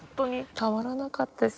たまらなかったです。